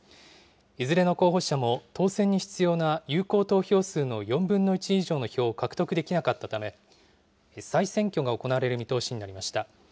いずれの候補者も当選に必要な有効投票数の４分の１以上の票を獲得できなかったため、再選挙が行われる見通しになりました。